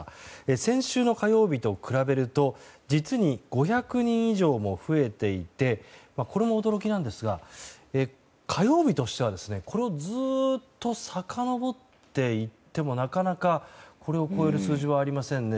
先週の火曜日と比べると実に５００人以上も増えていてこれも驚きなんですが火曜日としてはずっとさかのぼっていってもなかなか、これを超える数字はありませんね。